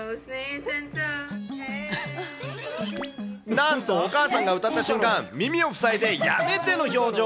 なんとお母さんが歌った瞬間、耳を塞いで、やめての表情。